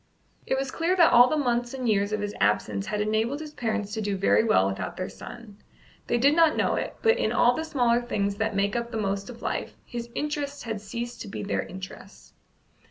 It was clear that all the months and years of his absence had enabled his parents to do very well without their son. They did not know it, but in all the smaller things that make up the most of life, his interests had ceased to be their interests.